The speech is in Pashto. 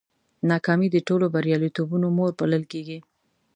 ناکامي د ټولو بریالیتوبونو مور بلل کېږي.